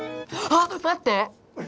あっ⁉まって！